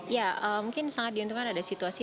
ya mungkin sangat diuntungkan ada situasi